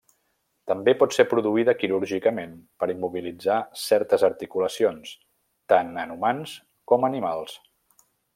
També pot ser produïda quirúrgicament per immobilitzar certes articulacions, tant en humans com animals.